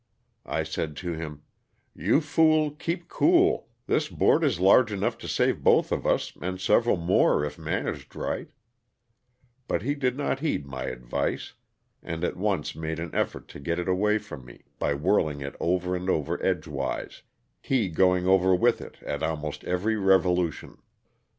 ' I said to him, " You fool, keep cool, this board is large enough to save both of us and several more if managed right," but he did not heed my advice and at once made an effort to get it aVay from me by whirling it over and over edgewise, he going over with it at almost every revolution.